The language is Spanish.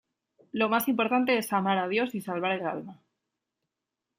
Lo más importante es amar a Dios y salvar el alma"".